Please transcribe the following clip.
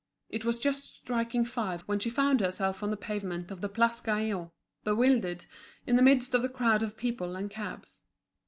It was just striking five when she found herself on the pavement of the Place Gaillon, bewildered, in the midst of the crowd of people and cabs.